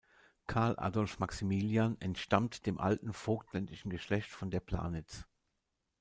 Karl Adolf Maximilian entstammt dem alten vogtländischen Geschlecht von der Planitz.